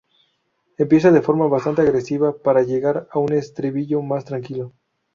Empieza de forma bastante agresiva para llegar a un estribillo más tranquilo.